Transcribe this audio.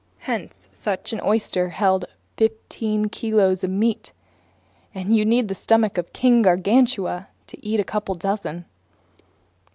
Hence such an oyster held fifteen kilos of meat, and you'd need the stomach of King Gargantua to eat a couple dozen.